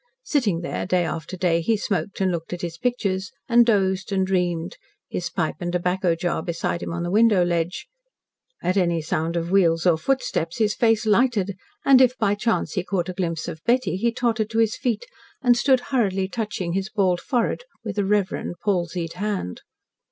Sitting there, day after day, he smoked and looked at his pictures, and dozed and dreamed, his pipe and tobacco jar beside him on the window ledge. At any sound of wheels or footsteps his face lighted, and if, by chance, he caught a glimpse of Betty, he tottered to his feet, and stood hurriedly touching his bald forehead with a reverent, palsied hand.